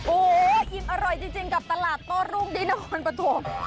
โอ้ยอร่อยจริงจริงกับตลาดโต้ลุงดีนะคนปฐม